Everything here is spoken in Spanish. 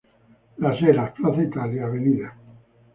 Las Heras, Plaza Italia, Av.